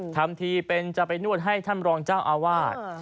ทำทีเป็นจะไปนวดให้ท่านรองเจ้าอาวาส